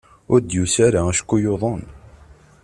Ur d-yusi ara acku yuḍen.